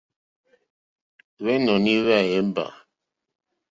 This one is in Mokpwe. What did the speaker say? Hwɛ́nɔ̀ní hwɛ́yɛ́mbà.